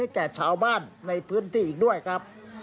แก่ชาวบ้านในพื้นที่อีกด้วยครับ